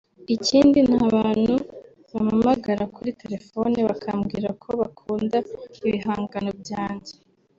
Ikindi ni abantu bampamagara kuri telefone bakambwira ko bakunda ibihangano byanjye